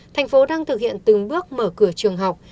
thành phố đang thực hiện từng bước mở cửa trường học